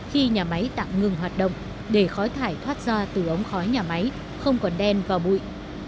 khi nhà máy tạm ngừng hoạt động để khói thải thoát ra từ ống khói nhà máy không còn đen và bụi